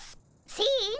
せの。